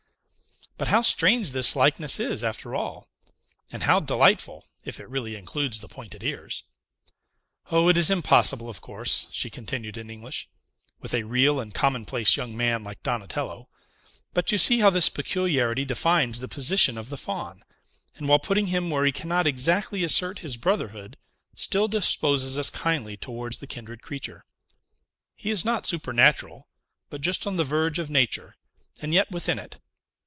But how strange this likeness is, after all! and how delightful, if it really includes the pointed ears! O, it is impossible, of course," she continued, in English, "with a real and commonplace young man like Donatello; but you see how this peculiarity defines the position of the Faun; and, while putting him where he cannot exactly assert his brotherhood, still disposes us kindly towards the kindred creature. He is not supernatural, but just on the verge of nature, and yet within it.